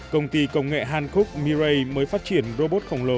công ty công nghệ hàn quốc mirai mới phát triển robot khổng lồ